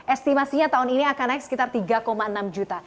estimasinya tahun ini akan naik sekitar tiga enam juta